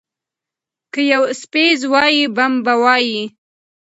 که یو څپیز وای، بم به وای.